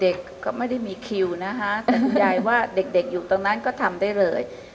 เด็กก็ไม่ได้มีคิวนะคะแต่คุณยายว่าเด็กอยู่ตรงนั้นก็ทำได้เลย